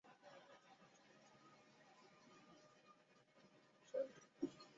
ইচ্ছায় হউক আর অনিচ্ছায় হউক, মানুষের মন ঐ কেন্দ্রগুলিতে সংলগ্ন হইতে বাধ্য হয়।